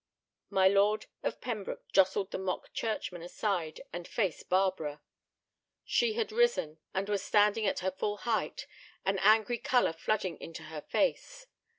My Lord of Pembroke jostled the mock churchman aside and faced Barbara. She had risen and was standing at her full height, an angry color flooding into her face.